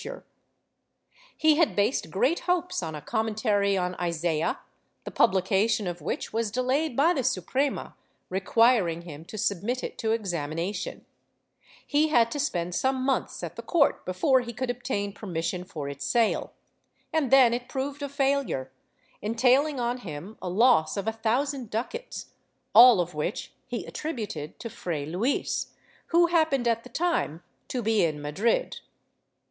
VII] LUIS DE LEON 151 He had based great hopes on a Commentary on Isaiah, the pubh cation of which was delayed by the Suprema requiring him to submit it to examination; he had to spend some months at the court before he could obtain permission for its sale, and then it proved a failure, entailing on him a loss of a thousand ducats — all of which he attributed to Fray Luis, who happened at the time to be in Madrid.